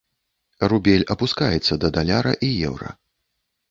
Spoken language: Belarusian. Рубель апускаецца да даляра і еўра.